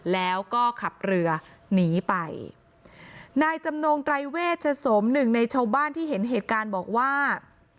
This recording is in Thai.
แล้วก็ขับเรือหนีไปนายจำนงไตรเวชสมหนึ่งในชาวบ้านที่เห็นเหตุการณ์บอกว่า